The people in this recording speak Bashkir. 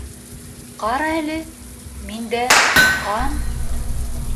— Ҡара әле, миндә — ҡан...